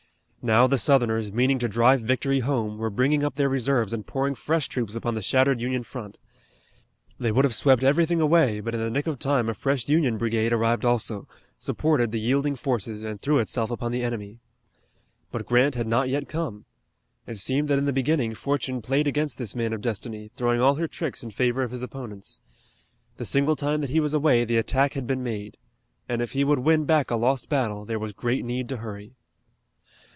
Now the Southerners, meaning to drive victory home, were bringing up their reserves and pouring fresh troops upon the shattered Union front. They would have swept everything away, but in the nick of time a fresh Union brigade arrived also, supported the yielding forces and threw itself upon the enemy. But Grant had not yet come. It seemed that in the beginning fortune played against this man of destiny, throwing all her tricks in favor of his opponents. The single time that he was away the attack bad been made, and if he would win back a lost battle there was great need to hurry.